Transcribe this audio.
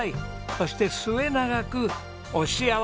そして末永くお幸せに！